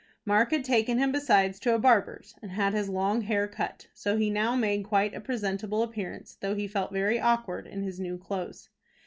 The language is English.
Mark had taken him besides to a barber's and had his long hair cut. So he now made quite a presentable appearance, though he felt very awkward in his new clothes.